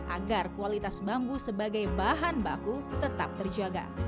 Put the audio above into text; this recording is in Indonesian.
agar kualitas bambu sebagai bahan baku tetap terjaga